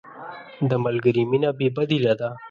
د ملګري مینه بې بدیله ده.